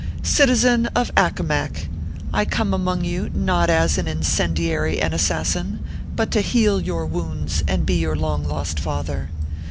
CITIZEN OF ACCOMAC ! I come among you not as a incendiary and assassin, but to heal your wounds and be your long lost father.